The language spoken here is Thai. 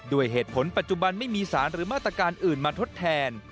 ด้วยเหตุผลปัจจุบันไม่มีสารหรือมาตรการอื่นมาทดแทน